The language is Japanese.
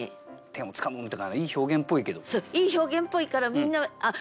いい表現っぽいからみんな「あっ！